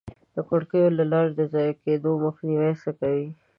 د کړکیو له لارې د ضایع کېدو مخنیوی څه کوئ؟